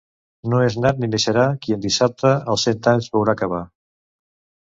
No és nat ni naixerà qui en dissabte els cent anys veurà acabar.